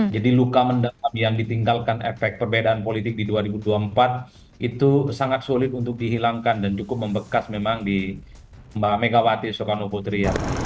jadi luka mendalam yang ditinggalkan efek perbedaan politik di dua ribu dua puluh empat itu sangat sulit untuk dihilangkan dan cukup membekas memang di mbak megawati soekarno putri